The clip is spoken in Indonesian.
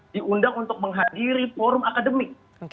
diundang untuk menghadiri forum akademik